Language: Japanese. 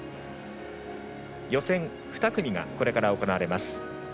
予選２組がこれから行われます。